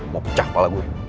mau kecah kepala gue